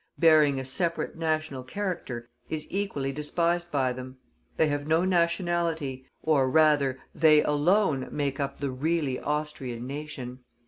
bearing a separate national character, is equally despised by them; they have no nationality, or rather, they alone make up the really Austrian nation.